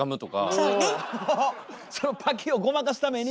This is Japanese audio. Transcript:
そのパキッをごまかすために。